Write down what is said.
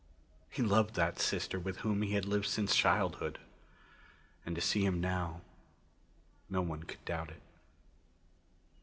He loved that sister with whom he had lived since childhood; and to see him now no one could doubt it.